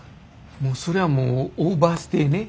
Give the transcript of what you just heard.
もうそれはもうオーバーステイね。